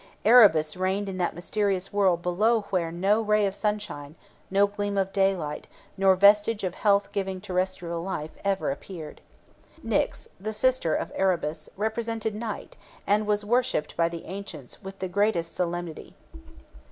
Erebus reigned in that mysterious world below where no ray of sunshine, no gleam of daylight, nor vestige of health giving terrestrial life ever appeared. Nyx, the sister of Erebus, represented Night, and was worshipped by the ancients with the greatest solemnity.